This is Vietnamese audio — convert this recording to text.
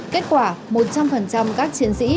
kết quả một trăm linh các chiến sĩ